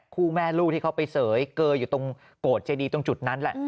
คู่แม่ลูกที่เขาไปเสยเกออยู่ตรงโกรธเจดีตรงจุดนั้นแหละ